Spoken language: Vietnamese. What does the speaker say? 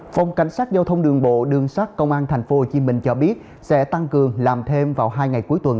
phòng cảnh sát giao thông đường bộ đường sát công an tp hcm cho biết sẽ tăng cường làm thêm vào hai ngày cuối tuần